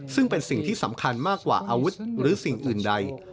ซึ่งเป็นสิ่งที่สำคัญมากกว่าอาวุธหรือสิ่งอื่นใด